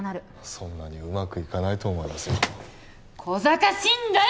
そんなにうまくいかないと思いこざかしいんだよ